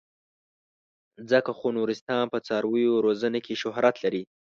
ځکه خو نورستان په څارویو روزنه کې شهرت لري.